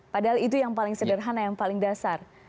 padahal itu yang paling sederhana yang paling dasar